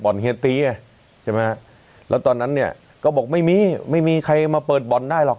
เฮียตีไงใช่ไหมฮะแล้วตอนนั้นเนี่ยก็บอกไม่มีไม่มีใครมาเปิดบ่อนได้หรอก